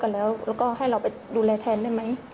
แล้วก็ให้เราไปดูแลแทนได้ไหม